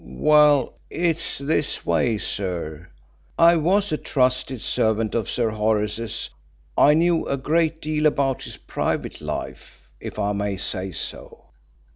"Well, it's this way, sir. I was a trusted servant of Sir Horace's. I knew a great deal about his private life, if I may say so.